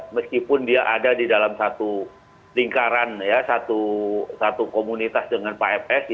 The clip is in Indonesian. meskipun dia ada di dalam satu lingkaran satu komunitas dengan pfs